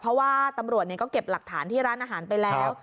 เพราะว่าตำรวจก็เก็บหลักฐานที่ร้านอาหารไปแล้ว